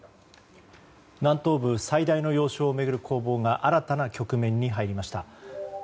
南東部最大の要衝を巡る攻防が新たな局面に入りました。